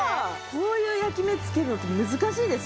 こういう焼き目つけるのって難しいですよ